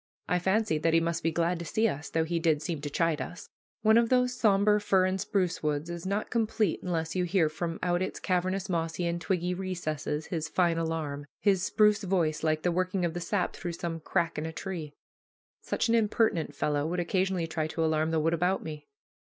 I fancied that he must be glad to see us, though he did seem to chide us. One of those somber fir and spruce woods is not complete unless you hear from out its cavernous mossy and twiggy recesses his fine alarum his spruce voice, like the working of the sap through some crack in a tree. Such an impertinent fellow would occasionally try to alarm the wood about me.